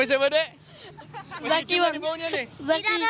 masih tercium apa baunya